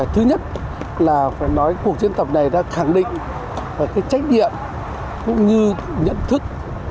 thứ nhất là phải nói cuộc diễn tập này đã khẳng định trách nhiệm cũng như nhận thức